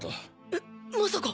えっまさか。